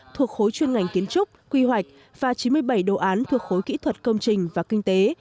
thuộc khối chuyên ngành kiến trúc quy hoạch và chín mươi bảy đồ án thuộc khối kỹ thuật công trình và kinh tế